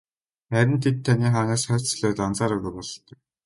Харин тэд таны хойноос хөөцөлдөөд анзаараагүй бололтой.